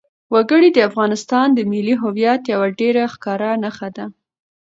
وګړي د افغانستان د ملي هویت یوه ډېره ښکاره نښه ده.